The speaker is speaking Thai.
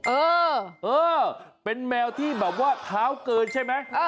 เออเออเป็นแมวที่แบบว่าเท้าเกินใช่ไหม